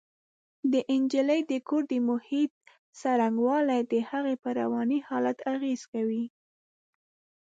د نجلۍ د کور د محیط څرنګوالی د هغې پر رواني حالت اغېز کوي